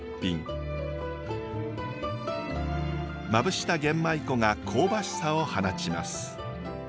まぶした玄米粉が香ばしさを放ちます。